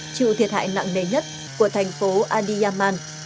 chịu thiệt hại nặng nề nhất của thành phố adiyaman